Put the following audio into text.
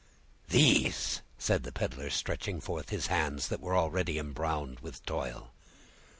"These!" said the peddler, stretching forth his hands, that were already embrowned with toil.